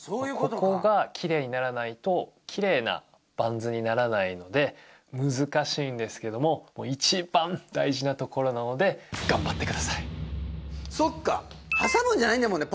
ここがきれいにならないときれいなバンズにならないので難しいんですけども一番大事なところなのでそっか挟むんじゃないんだもんね